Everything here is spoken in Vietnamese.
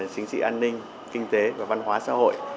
chính trị an ninh kinh tế và văn hóa xã hội